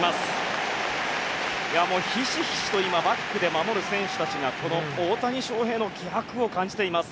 ひしひしとバックで守る選手たちが大谷翔平の気迫を感じています。